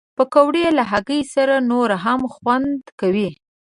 پکورې له هګۍ سره نور هم خوند کوي